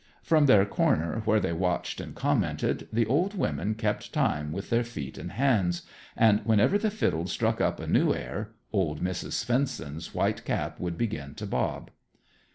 From their corner where they watched and commented, the old women kept time with their feet and hands, and whenever the fiddles struck up a new air old Mrs. Svendsen's white cap would begin to bob.